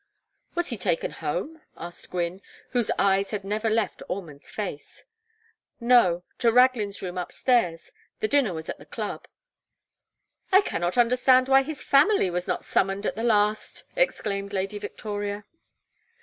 "Was he taken home?" asked Gwynne, whose eyes had never left Ormond's face. "No to Raglin's room up stairs. The dinner was at the Club." "I cannot understand why his family was not summoned at the last!" exclaimed Lady Victoria.